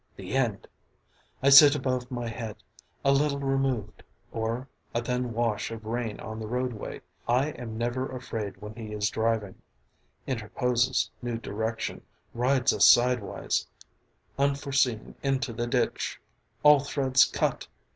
The end. I sit above my head a little removed or a thin wash of rain on the roadway I am never afraid when he is driving, interposes new direction, rides us sidewise, unforseen into the ditch! All threads cut!